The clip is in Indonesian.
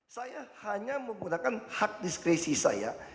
saya hanya menggunakan hak diskresi saya